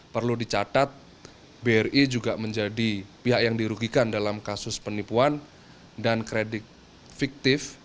perlu dicatat bri juga menjadi pihak yang dirugikan dalam kasus penipuan dan kredit fiktif